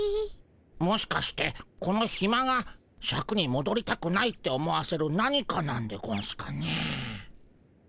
もしかしてこのヒマがシャクにもどりたくないって思わせる何かなんでゴンスかね？